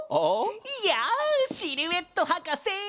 いやシルエットはかせ！